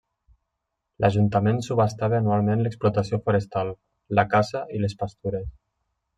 L'Ajuntament subhastava anualment l'explotació forestal, la caça i les pastures.